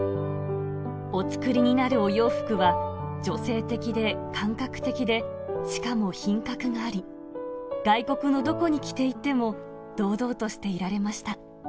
お作りになるお洋服は女性的で感覚的で、しかも品格があり、外国のどこに着ていっても堂々としていられました。